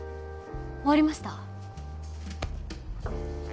終わりました。